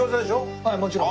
はいもちろん。